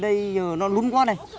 bây giờ nó lún quá đây